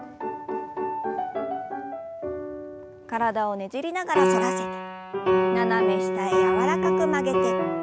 体をねじりながら反らせて斜め下へ柔らかく曲げて。